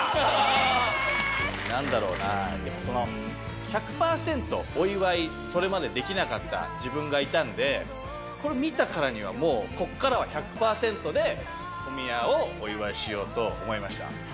なんだろうなその１００パーセントお祝いそれまでできなかった自分がいたんでこれを見たからにはもうここからは１００パーセントで小宮をお祝いしようと思いました。